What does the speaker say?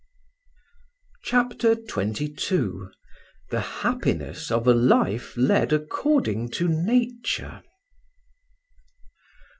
CHAPTER XXII THE HAPPINESS OF A LIFE LED ACCORDING TO NATURE.